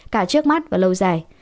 cả trước mắt và lâu dài